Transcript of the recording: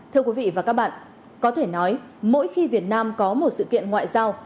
thưa quý vị và các bạn có thể nói mỗi khi việt nam có một sự kiện ngoại giao